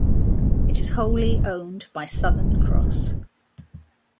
It is wholly owned by Southern Cross.